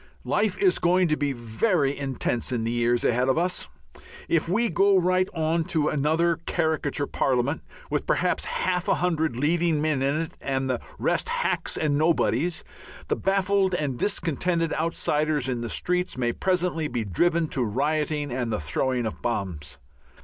Life is going to be very intense in the years ahead of us. If we go right on to another caricature Parliament, with perhaps half a hundred leading men in it and the rest hacks and nobodies, the baffled and discontented outsiders in the streets may presently be driven to rioting and the throwing of bombs.